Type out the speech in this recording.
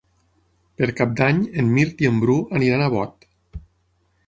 Per Cap d'Any en Mirt i en Bru aniran a Bot.